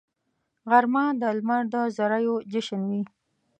غرمه د لمر د زریو جشن وي